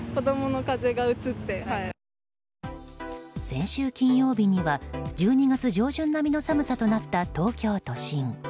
先週金曜日には１２月上旬並みの寒さとなった東京都心。